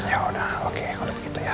ya udah oke udah begitu ya